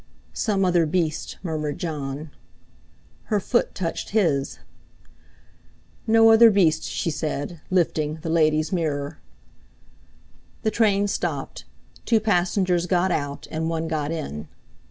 "Some other beast—" murmured Jon. Her foot touched his. "No other beast," she said, lifting "The Lady's Mirror." The train stopped; two passengers got out, and one got in.